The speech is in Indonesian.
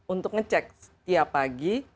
untuk ngecek setiap pagi